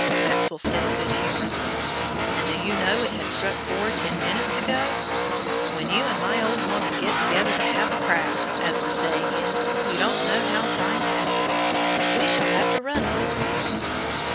Maxwell said good humoredly, "and do you know it has struck four ten minutes ago? When you and my old woman get together to have a crack, as the saying is, you don't know how time passes. We shall have to run for it."